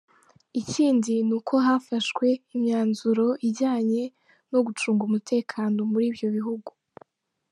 Ikindi ni uko hafashwe imyanzuro ijyanye no gucunga umutekano muri ibyo bihugu.